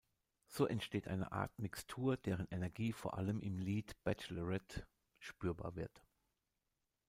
So entsteht eine Art Mixtur, deren Energie vor allem im Lied "Bachelorette" spürbar wird.